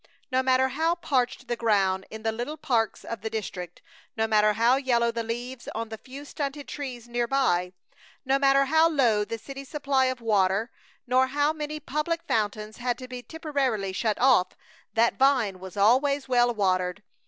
No matter how parched the ground in the little parks of the district, no matter how yellow the leaves on the few stunted trees near by, no matter how low the city's supply of water, nor how many public fountains had to be temporarily shut off, that vine was always well watered.